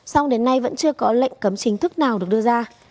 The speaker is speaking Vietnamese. song đến nay vẫn chưa có lệnh cấm chính thức nào được đưa ra